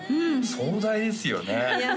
壮大ですよねいや